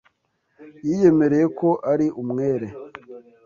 Yiyemereye ko ari umwere.